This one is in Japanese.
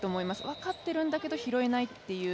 分かっているんだけど拾えないという。